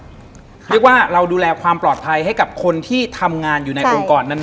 เรียกว่าเราดูแลความปลอดภัยให้กับคนที่ทำงานอยู่ในองค์กรนั้น